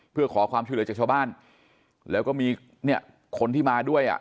เพื่อขอความช่วยเหลือจากชาวบ้านแล้วก็มีเนี่ยคนที่มาด้วยอ่ะ